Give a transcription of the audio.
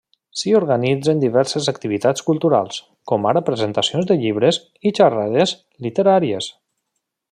S'hi organitzen diverses activitats culturals, com ara presentacions de llibres i xerrades literàries.